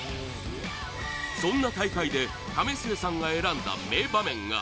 そんな大会で為末さんが選んだ名場面が